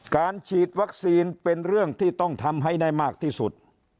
การฉีดวัคซีนเป็นเรื่องที่ต้องทำให้ได้มากที่สุด